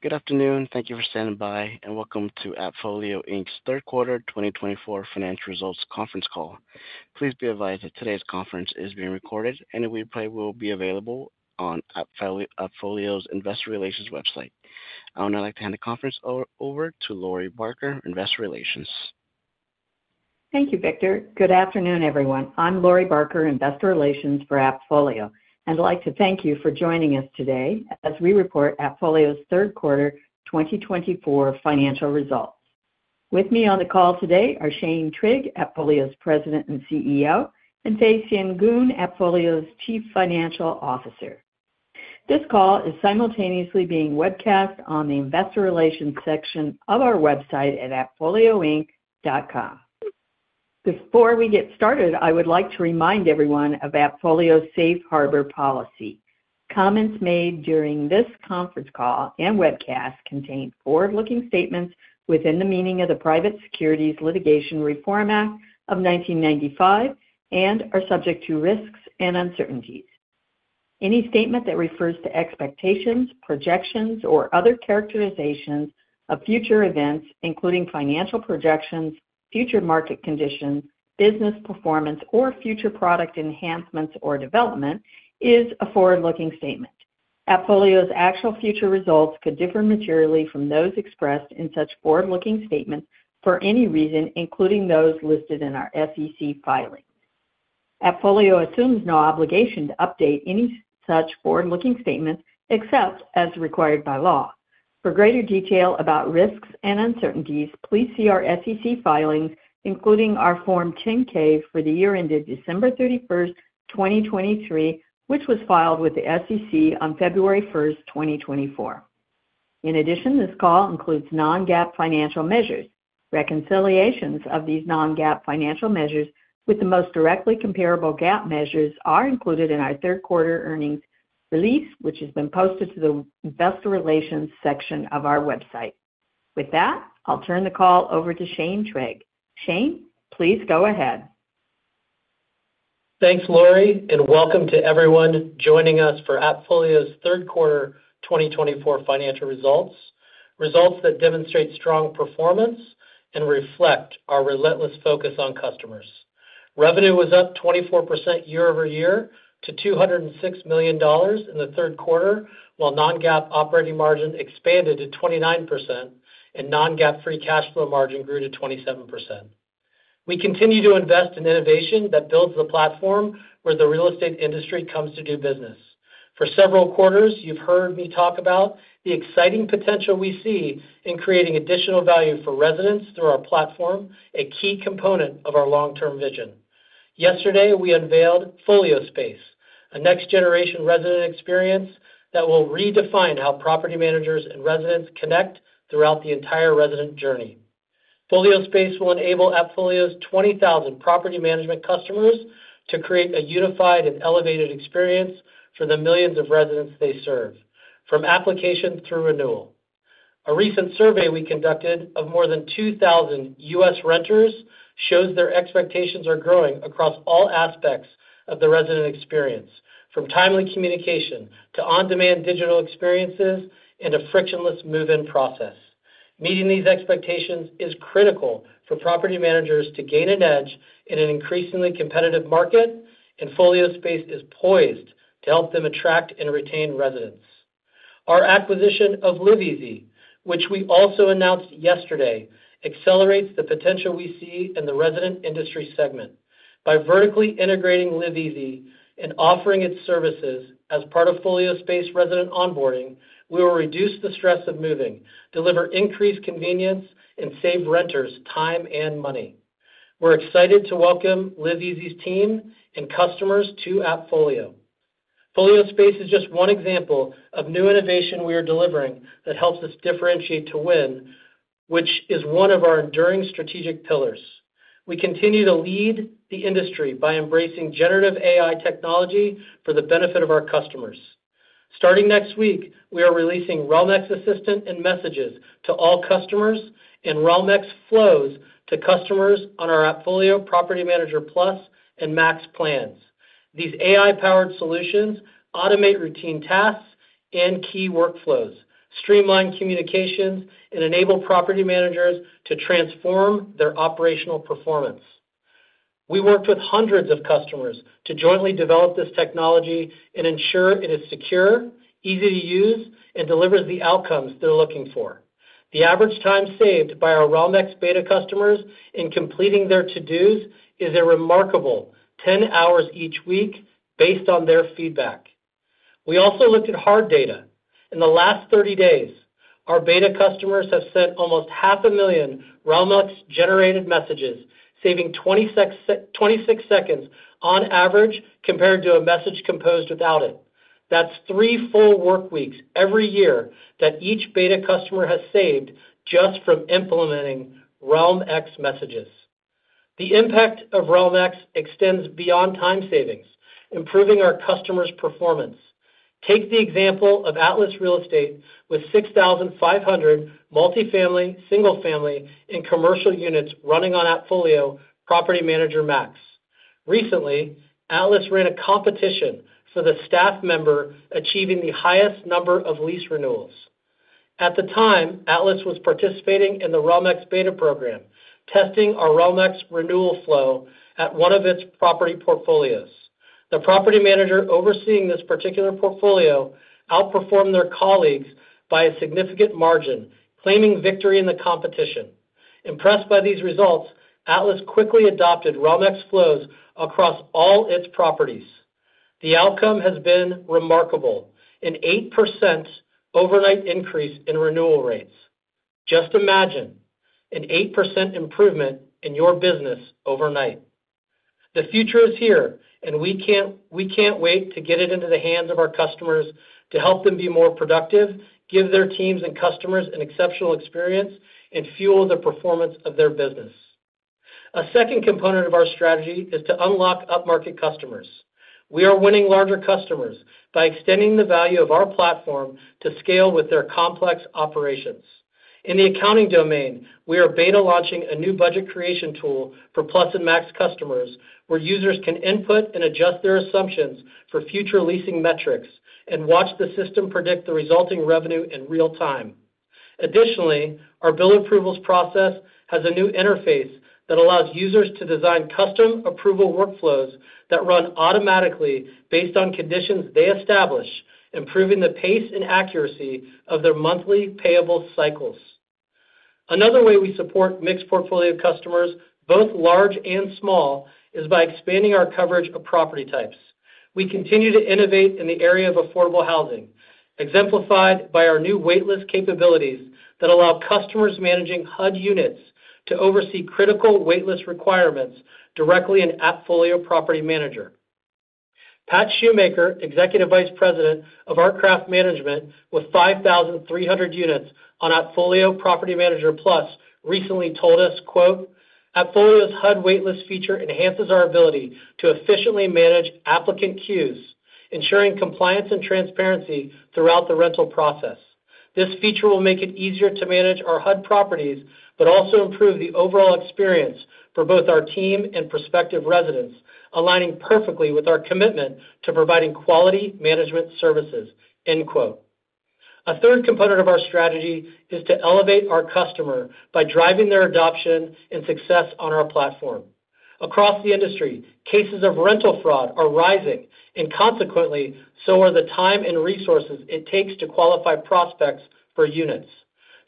Good afternoon, and thank you for standing by, and welcome to AppFolio Inc.'s third quarter twenty twenty-four financial results conference call. Please be advised that today's conference is being recorded, and the replay will be available on AppFolio, AppFolio's Investor Relations website. I would now like to hand the conference over to Lori Barker, Investor Relations. Thank you, Victor. Good afternoon, everyone. I'm Lori Barker, Investor Relations for AppFolio, and I'd like to thank you for joining us today as we report AppFolio's third quarter twenty twenty-four financial results. With me on the call today are Shane Trigg, AppFolio's President and CEO, and Fay Sien Goon, AppFolio's Chief Financial Officer. This call is simultaneously being webcast on the Investor Relations section of our website at appfolioinc.com. Before we get started, I would like to remind everyone of AppFolio's safe harbor policy. Comments made during this conference call and webcast contain forward-looking statements within the meaning of the Private Securities Litigation Reform Act of 1995 and are subject to risks and uncertainties. Any statement that refers to expectations, projections, or other characterizations of future events, including financial projections, future market conditions, business performance, or future product enhancements or development, is a forward-looking statement. AppFolio's actual future results could differ materially from those expressed in such forward-looking statements for any reason, including those listed in our SEC filings. AppFolio assumes no obligation to update any such forward-looking statements except as required by law. For greater detail about risks and uncertainties, please see our SEC filings, including our Form 10-K for the year ended December thirty-first, 2023, which was filed with the SEC on February first, 2024. In addition, this call includes non-GAAP financial measures. Reconciliations of these non-GAAP financial measures with the most directly comparable GAAP measures are included in our third quarter earnings release, which has been posted to the Investor Relations section of our website. With that, I'll turn the call over to Shane Trigg. Shane, please go ahead. Thanks, Lori, and welcome to everyone joining us for AppFolio's third quarter 2024 financial results, results that demonstrate strong performance and reflect our relentless focus on customers. Revenue was up 24% year over year to $206 million in the third quarter, while non-GAAP operating margin expanded to 29% and non-GAAP free cash flow margin grew to 27%. We continue to invest in innovation that builds the platform where the real estate industry comes to do business. For several quarters, you've heard me talk about the exciting potential we see in creating additional value for residents through our platform, a key component of our long-term vision. Yesterday, we unveiled FolioSpace, a next-generation resident experience that will redefine how property managers and residents connect throughout the entire resident journey. FolioSpace will enable AppFolio's 20,000 property management customers to create a unified and elevated experience for the millions of residents they serve, from application through renewal. A recent survey we conducted of more than 2,000 U.S. renters shows their expectations are growing across all aspects of the resident experience, from timely communication to on-demand digital experiences and a frictionless move-in process. Meeting these expectations is critical for property managers to gain an edge in an increasingly competitive market, and FolioSpace is poised to help them attract and retain residents. Our acquisition of LiveEasy, which we also announced yesterday, accelerates the potential we see in the resident industry segment. By vertically integrating LiveEasy and offering its services as part of FolioSpace resident onboarding, we will reduce the stress of moving, deliver increased convenience, and save renters time and money. We're excited to welcome LiveEasy's team and customers to AppFolio. FolioSpace is just one example of new innovation we are delivering that helps us differentiate to win, which is one of our enduring strategic pillars. We continue to lead the industry by embracing Generative AI technology for the benefit of our customers. Starting next week, we are releasing Realm-X Assistant and Messages to all customers and Realm-X Flows to customers on our AppFolio Property Manager Plus and Max plans. These AI-powered solutions automate routine tasks and key workflows, streamline communications, and enable property managers to transform their operational performance. We worked with hundreds of customers to jointly develop this technology and ensure it is secure, easy to use, and delivers the outcomes they're looking for. The average time saved by our Realm-X beta customers in completing their to-dos is a remarkable 10 hours each week based on their feedback. We also looked at hard data. In the last 30 days, our beta customers have sent almost 500,000 Realm-X-generated messages, saving 26 seconds on average, compared to a message composed without it. That's three full workweeks every year that each beta customer has saved just from implementing Realm-X Messages. The impact of Realm-X extends beyond time savings, improving our customers' performance. Take the example of Atlas Real Estate, with 6,500 multifamily, single-family, and commercial units running on AppFolio Property Manager Max. Recently, Atlas ran a competition for the staff member achieving the highest number of lease renewals. At the time, Atlas was participating in the Realm-X beta program, testing our Realm-X renewal flow at one of its property portfolios. The property manager overseeing this particular portfolio outperformed their colleagues by a significant margin, claiming victory in the competition. Impressed by these results, Atlas quickly adopted Realm-X Flows across all its properties. The outcome has been remarkable, an 8% overnight increase in renewal rates. Just imagine an 8% improvement in your business overnight. The future is here, and we can't wait to get it into the hands of our customers to help them be more productive, give their teams and customers an exceptional experience, and fuel the performance of their business. A second component of our strategy is to unlock upmarket customers. We are winning larger customers by extending the value of our platform to scale with their complex operations. In the accounting domain, we are beta launching a new budget creation tool for Plus and Max customers, where users can input and adjust their assumptions for future leasing metrics and watch the system predict the resulting revenue in real time. Additionally, our bill approvals process has a new interface that allows users to design custom approval workflows that run automatically based on conditions they establish, improving the pace and accuracy of their monthly payable cycles. Another way we support mixed portfolio customers, both large and small, is by expanding our coverage of property types. We continue to innovate in the area of affordable housing, exemplified by our new waitlist capabilities that allow customers managing HUD units to oversee critical waitlist requirements directly in AppFolio Property Manager. Pat Shoemaker, Executive Vice President of Artcraft Management, with 5,300 units on AppFolio Property Manager Plus, recently told us, quote, "AppFolio's HUD waitlist feature enhances our ability to efficiently manage applicant queues, ensuring compliance and transparency throughout the rental process. This feature will make it easier to manage our HUD properties, but also improve the overall experience for both our team and prospective residents, aligning perfectly with our commitment to providing quality management services." End quote. A third component of our strategy is to elevate our customer by driving their adoption and success on our platform. Across the industry, cases of rental fraud are rising, and consequently, so are the time and resources it takes to qualify prospects for units.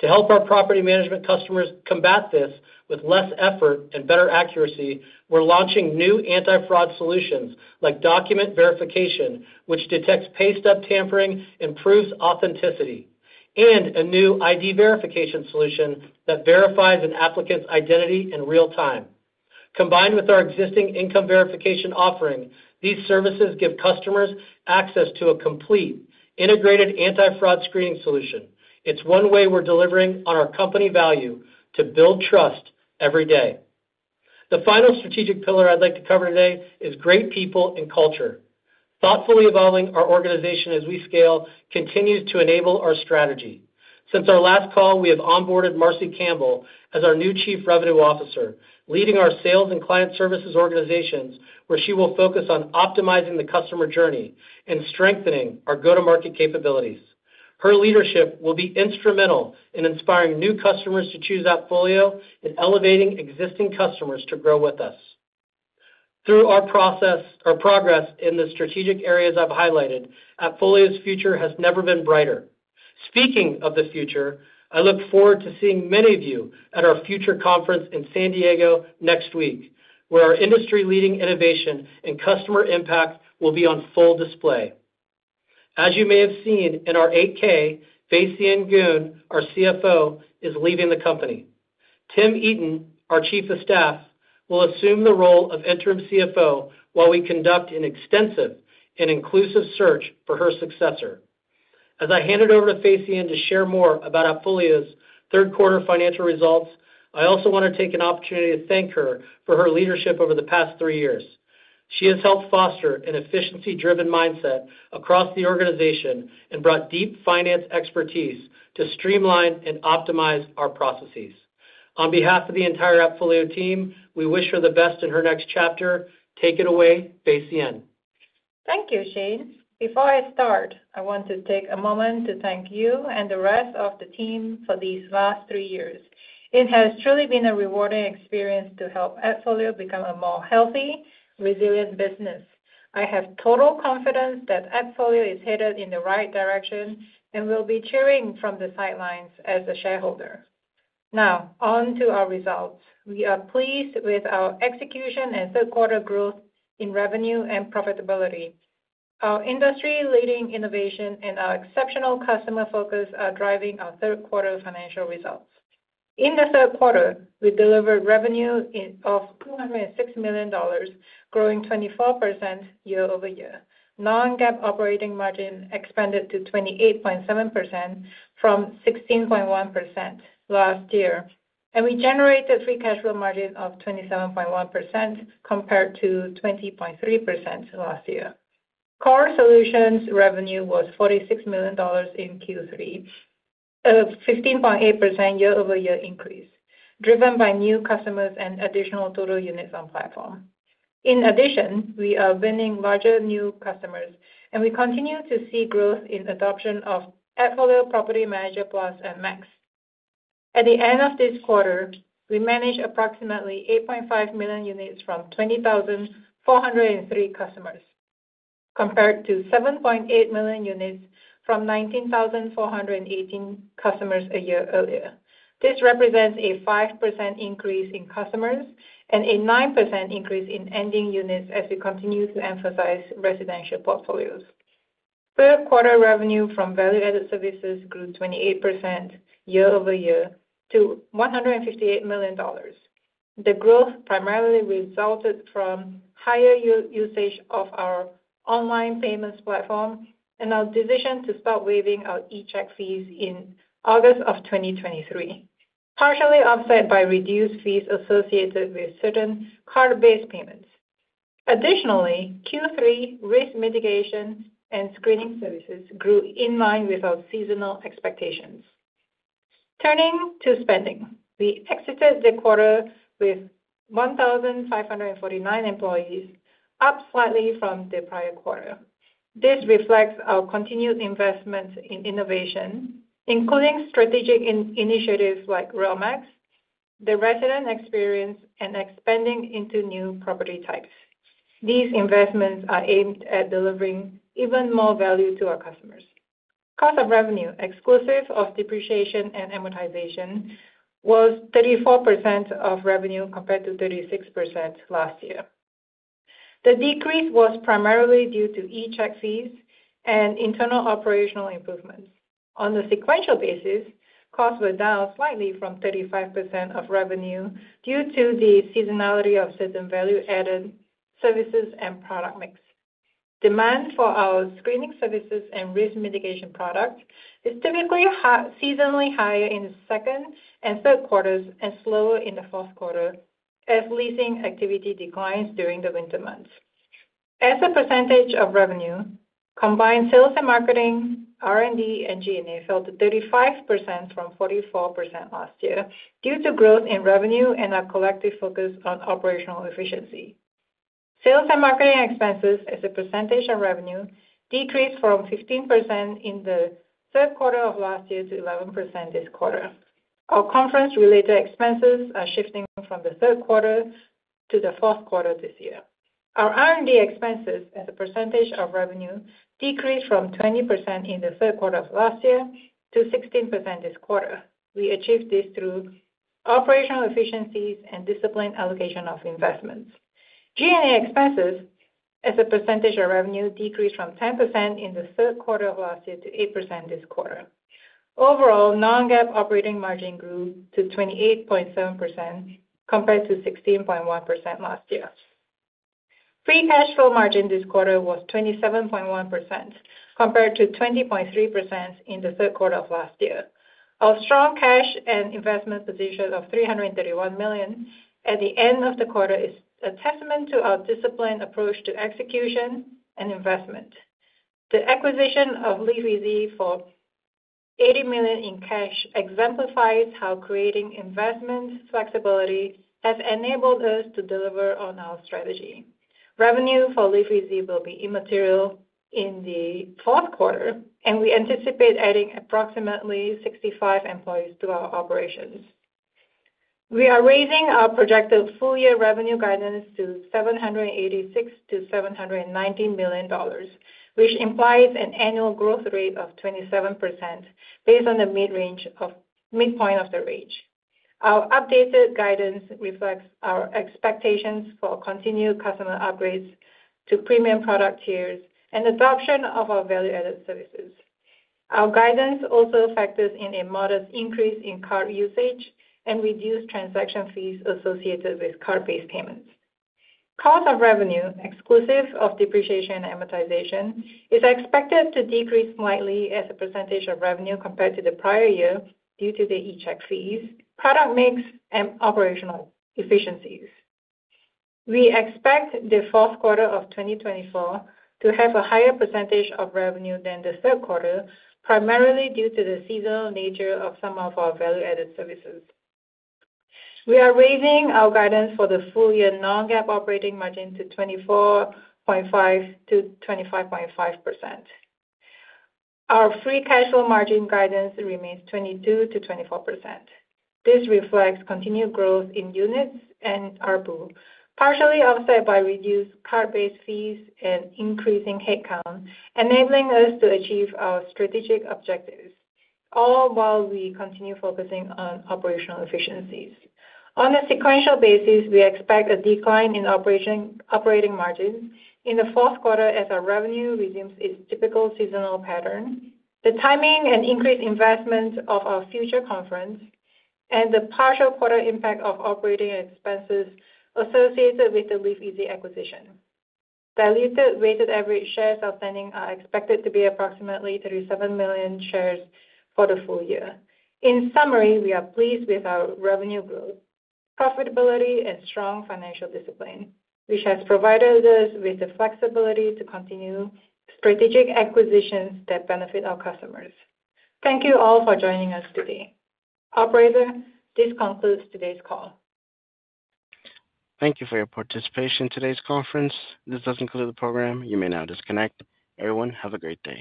To help our property management customers combat this with less effort and better accuracy, we're launching new anti-fraud solutions like document verification, which detects pay stub tampering, improves authenticity, and a new ID verification solution that verifies an applicant's identity in real time. Combined with our existing income verification offering, these services give customers access to a complete, integrated, anti-fraud screening solution. It's one way we're delivering on our company value to build trust every day. The final strategic pillar I'd like to cover today is great people and culture. Thoughtfully evolving our organization as we scale continues to enable our strategy. Since our last call, we have onboarded Marcy Campbell as our new Chief Revenue Officer, leading our sales and client services organizations, where she will focus on optimizing the customer journey and strengthening our go-to-market capabilities. Her leadership will be instrumental in inspiring new customers to choose AppFolio and elevating existing customers to grow with us. Through our progress in the strategic areas I've highlighted, AppFolio's future has never been brighter. Speaking of the future, I look forward to seeing many of you at our Future conference in San Diego next week, where our industry-leading innovation and customer impact will be on full display. As you may have seen in our 8-K, Fay Sien Goon, our CFO, is leaving the company. Tim Eaton, our Chief of Staff, will assume the role of interim CFO while we conduct an extensive and inclusive search for her successor. As I hand it over to Fay Sien Goon to share more about AppFolio's third quarter financial results, I also want to take an opportunity to thank her for her leadership over the past three years. She has helped foster an efficiency-driven mindset across the organization and brought deep finance expertise to streamline and optimize our processes. On behalf of the entire AppFolio team, we wish her the best in her next chapter. Take it away, Fay Sien Goon. Thank you, Shane. Before I start, I want to take a moment to thank you and the rest of the team for these last three years. It has truly been a rewarding experience to help AppFolio become a more healthy, resilient business. I have total confidence that AppFolio is headed in the right direction and will be cheering from the sidelines as a shareholder. Now, on to our results. We are pleased with our execution and third quarter growth in revenue and profitability. Our industry-leading innovation and our exceptional customer focus are driving our third quarter financial results. In the third quarter, we delivered revenue of $206 million, growing 24% year over year. Non-GAAP operating margin expanded to 28.7% from 16.1% last year, and we generated free cash flow margin of 27.1%, compared to 20.3% last year. Core solutions revenue was $46 million in Q3, a 15.8% year-over-year increase, driven by new customers and additional total units on platform. In addition, we are winning larger new customers, and we continue to see growth in adoption of AppFolio Property Manager Plus and Max. At the end of this quarter, we managed approximately 8.5 million units from 20,403 customers, compared to 7.8 million units from 19,418 customers a year earlier. This represents a 5% increase in customers and a 9% increase in ending units as we continue to emphasize residential portfolios. Third quarter revenue from value-added services grew 28% year-over-year to $158 million. The growth primarily resulted from higher usage of our online payments platform and our decision to stop waiving our eCheck fees in August 2023, partially offset by reduced fees associated with certain card-based payments. Additionally, Q3 risk mitigation and screening services grew in line with our seasonal expectations. Turning to spending. We exited the quarter with 1,549 employees, up slightly from the prior quarter. This reflects our continued investment in innovation, including strategic initiatives like Realm-X, the resident experience, and expanding into new property types. These investments are aimed at delivering even more value to our customers. Cost of revenue, exclusive of depreciation and amortization, was 34% of revenue, compared to 36% last year. The decrease was primarily due to eCheck fees and internal operational improvements. On a sequential basis, costs were down slightly from 35% of revenue due to the seasonality of certain value-added services and product mix. Demand for our screening services and risk mitigation products is typically seasonally higher in the second and third quarters and slower in the fourth quarter as leasing activity declines during the winter months. As a percentage of revenue, combined sales and marketing, R&D, and G&A fell to 35% from 44% last year due to growth in revenue and our collective focus on operational efficiency. Sales and marketing expenses as a percentage of revenue decreased from 15% in the third quarter of last year to 11% this quarter. Our conference-related expenses are shifting from the third quarter to the fourth quarter this year. Our R&D expenses as a percentage of revenue decreased from 20% in the third quarter of last year to 16% this quarter. We achieved this through operational efficiencies and disciplined allocation of investments. G&A expenses as a percentage of revenue decreased from 10% in the third quarter of last year to 8% this quarter. Overall, non-GAAP operating margin grew to 28.7%, compared to 16.1% last year. Free cash flow margin this quarter was 27.1%, compared to 20.3% in the third quarter of last year. Our strong cash and investment position of $331 million at the end of the quarter is a testament to our disciplined approach to execution and investment. The acquisition of LiveEasy for $80 million in cash exemplifies how creating investment flexibility has enabled us to deliver on our strategy. Revenue for LiveEasy will be immaterial in the fourth quarter, and we anticipate adding approximately 65 employees to our operations. We are raising our projected full-year revenue guidance to $786-$790 million, which implies an annual growth rate of 27% based on the midpoint of the range. Our updated guidance reflects our expectations for continued customer upgrades to premium product tiers and adoption of our value-added services. Our guidance also factors in a modest increase in card usage and reduced transaction fees associated with card-based payments. Cost of revenue, exclusive of depreciation and amortization, is expected to decrease slightly as a percentage of revenue compared to the prior year due to the eCheck fees, product mix, and operational efficiencies. We expect the fourth quarter of twenty twenty-four to have a higher percentage of revenue than the third quarter, primarily due to the seasonal nature of some of our value-added services. We are raising our guidance for the full-year non-GAAP operating margin to 24.5%-25.5%. Our free cash flow margin guidance remains 22%-24%. This reflects continued growth in units and ARPU, partially offset by reduced card-based fees and increasing headcount, enabling us to achieve our strategic objectives, all while we continue focusing on operational efficiencies. On a sequential basis, we expect a decline in operating margin in the fourth quarter as our revenue resumes its typical seasonal pattern, the timing and increased investment of our Future conference, and the partial quarter impact of operating expenses associated with the LiveEasy acquisition. Diluted weighted average shares outstanding are expected to be approximately 37 million shares for the full year. In summary, we are pleased with our revenue growth, profitability, and strong financial discipline, which has provided us with the flexibility to continue strategic acquisitions that benefit our customers. Thank you all for joining us today. Operator, this concludes today's call. Thank you for your participation in today's conference. This does conclude the program. You may now disconnect. Everyone, have a great day.